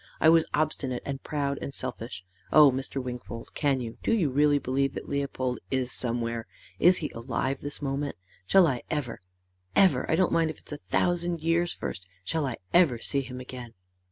I was obstinate and proud and selfish. Oh, Mr. Wingfold, can you, do you really believe that Leopold is somewhere? Is he alive this moment? Shall I ever ever I don't mind if it's a thousand years first but shall I EVER see him again?"